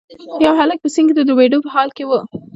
یو هلک په سیند کې د ډوبیدو په حال کې و.